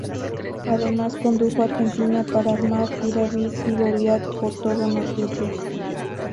Además condujo Argentina para armar y David y Goliat por Todo Noticias.